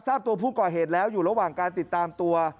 ทราบตัวผู้ก่อเหตุแล้วอยู่ระหว่างการติดตามตัว